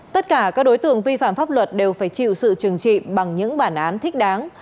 tất cả các đối tượng vi phạm pháp luật đều phải chịu sự trừng trị bằng những bản án thích đáng